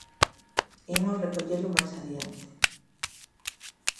Imos recollelo máis adiante.